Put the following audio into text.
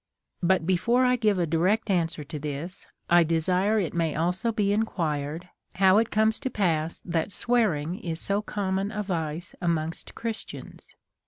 But, before 1 give a direct answer to this, I desire it may also be inquired, how it comes to pass that swearing is so common a vice amongst Christians?